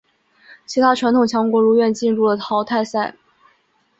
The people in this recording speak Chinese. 其他传统强国如愿进入了淘汰赛。